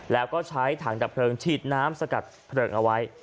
แล้วก็ใช้ถังดับเพลิงฉีดน้ำสกัดเพลิงเอาไว้